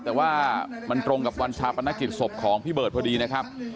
แต่ว่ามันตรงกับวันชาปนกิจศพของพี่เบิร์ตพอดีนะครับ